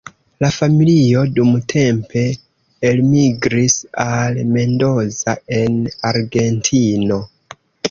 La familio dumtempe elmigris al Mendoza en Argentino.